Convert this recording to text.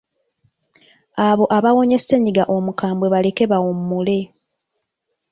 Abo abawonye ssennyiga omukambwe baleke bawummule.